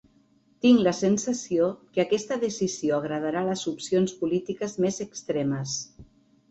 Tinc la sensació que aquesta decisió agradarà a les opcions polítiques més extremes.